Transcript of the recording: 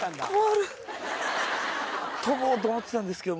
跳ぼうと思ってたんですけど。